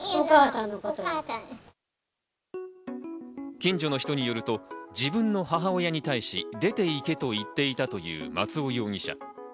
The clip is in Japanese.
近所の人によると、自分の母親に対し、出て行けと言っていたという松尾容疑者。